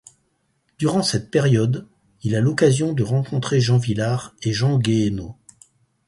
Durant cette période, il a l'occasion de rencontrer Jean Vilar et Jean Guéhenno.